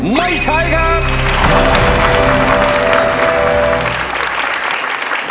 ไม่ใช้ครับ